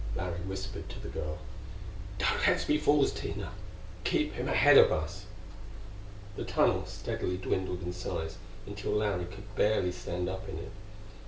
Larry whispered to the girl: "Don't let's be fools, Tina. Keep him ahead of us." The tunnel steadily dwindled in size until Larry could barely stand up in it.